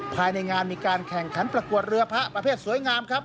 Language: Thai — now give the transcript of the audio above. ภายในงานมีการแข่งขันประกวดเรือพระประเภทสวยงามครับ